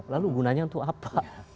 lalu gunanya untuk apa